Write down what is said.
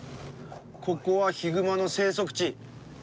ここはヒグマの生息地。